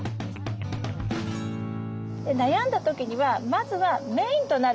悩んだ時にはまずはメインとなるもの